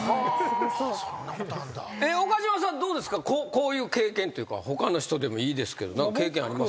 こういう経験っていうか他の人でもいいですけど何か経験あります？